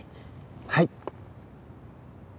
はい？